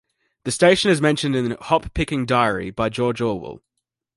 The station is mentioned in 'Hop Picking Diary' by George Orwell.